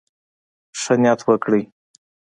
ښه نيت وکړئ.